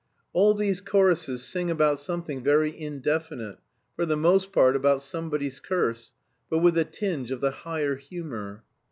All these choruses sing about something very indefinite, for the most part about somebody's curse, but with a tinge of the higher humour.